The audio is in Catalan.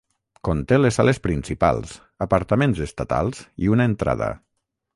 Conté les sales principals, apartaments estatals i una entrada.